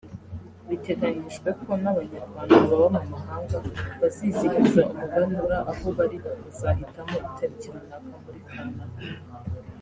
Biteganyijwe ko n’Abanyarwanda baba mu mahanga bazizihiza umuganura aho bari bakazahitamo itariki runaka muri Kanama